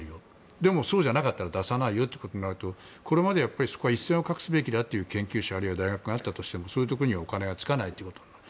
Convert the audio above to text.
でも、そうじゃなかったら出さないよということになるとこれまで、やっぱりそこは一線を画すべきだという研究者、あるいは大学があったとしてもそういうところにはお金がつかないことになる。